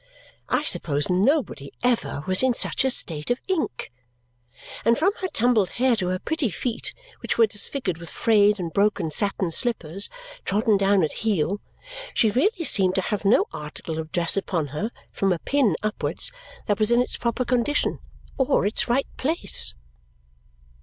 I suppose nobody ever was in such a state of ink. And from her tumbled hair to her pretty feet, which were disfigured with frayed and broken satin slippers trodden down at heel, she really seemed to have no article of dress upon her, from a pin upwards, that was in its proper condition or its right place.